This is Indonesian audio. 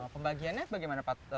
pembagiannya bagaimana pak